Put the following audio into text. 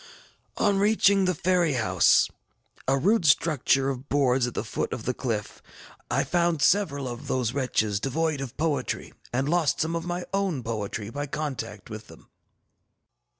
ŌĆ£On reaching the ferry house, a rude structure of boards at the foot of the cliff, I found several of those wretches devoid of poetry, and lost some of my own poetry by contact with them.